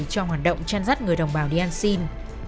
cho hoạt động chăn rắt người đồng bào đi ăn xin